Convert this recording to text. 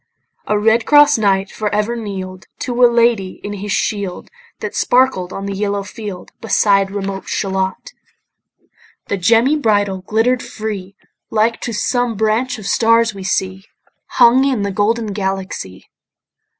A red cross knight for ever kneel'd To a lady in his shield, That sparkled on the yellow field, Beside remote Shalott. The gemmy bridle glitter'd free, Like to some branch of stars we see Hung in the golden Galaxy.